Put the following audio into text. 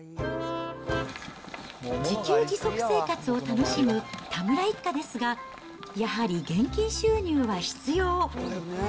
自給自足生活を楽しむ田村一家ですが、やはり現金収入は必要。